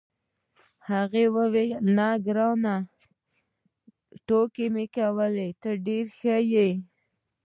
هغې وویل: نه، ګرانه، ټوکې مې کولې، ته ډېر ښه یې.